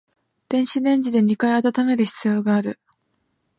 電子レンジで二回温める必要がある